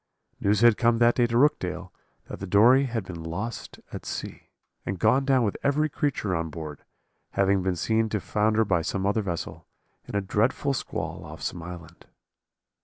News had come that day to Rookdale, that the Dory had been lost at sea, and gone down with every creature on board: having been seen to founder by some other vessel, in a dreadful squall off some island.